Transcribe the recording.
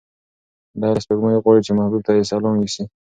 دی له سپوږمۍ غواړي چې محبوب ته یې سلام یوسي.